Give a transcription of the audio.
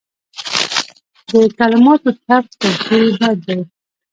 د کلماتو ټپ تر تورې بد دی.